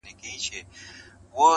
پر نیم ولس مو بنده چي د علم دروازه وي,